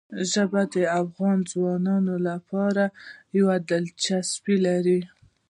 ژبې د افغان ځوانانو لپاره یوه دلچسپي لري.